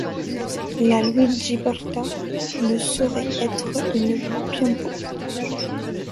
La Luigi Porta ne saurait être une Piombo.